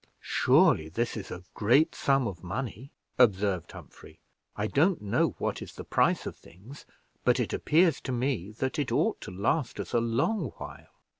"Surely this is a great sum of money," observed Humphrey. "I don't know what is the price of things; but it appears to me, that it ought to last us a long while."